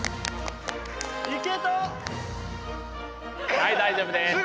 はい大丈夫です。